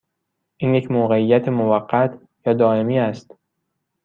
این یک موقعیت موقت یا دائمی است؟